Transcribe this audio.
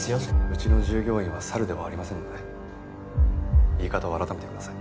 うちの従業員は猿ではありませんので言い方を改めてください。